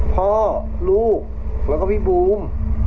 พ่อลูกแล้วก็พี่บูม